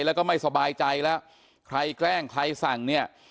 แล้วก็ไม่สบายใจแล้วใครแกล้งใครสั่งเนี่ย